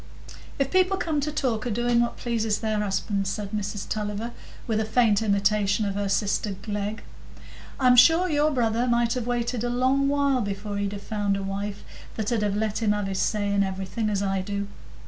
"If people come to talk o' doing what pleases their husbands," said Mrs Tulliver, with a faint imitation of her sister Glegg, "I'm sure your brother might have waited a long while before he'd have found a wife that 'ud have let him have his say in everything, as I do.